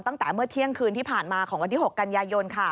ตั้งแต่เมื่อเที่ยงคืนที่ผ่านมาของวันที่๖กันยายน